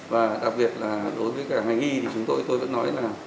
và đặc biệt là đối với cả ngành y chúng tôi vẫn nói là